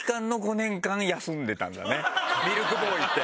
ミルクボーイって。